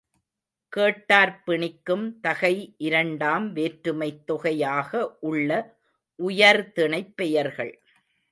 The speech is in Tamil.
கேட்டார்ப் பிணிக்கும் தகை இரண்டாம் வேற்றுமைத் தொகையாக உள்ள உயர்திணைப் பெயர்கள்.